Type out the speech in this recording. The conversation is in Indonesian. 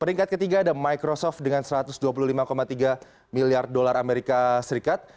peringkat ketiga ada microsoft dengan satu ratus dua puluh lima tiga miliar dolar amerika serikat